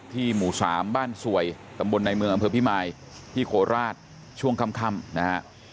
หมู่๓บ้านสวยตำบลในเมืองอำเภอพิมายที่โคราชช่วงค่ำนะฮะ